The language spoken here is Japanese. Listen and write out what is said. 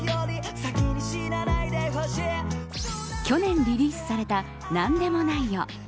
去年リリースされたなんでもないよ、。